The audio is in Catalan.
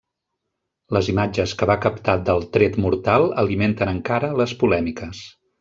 Les imatges que va captar del tret mortal alimenten encara les polèmiques.